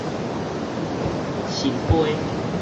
順桮